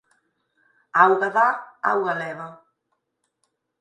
Auga dá, auga leva.